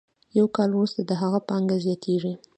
یو کال وروسته د هغه پانګه زیاتېږي